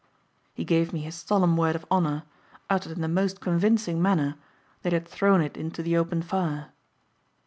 He gave me his solemn word of honor, uttered in the most convincing manner, that he had thrown it into the open fire.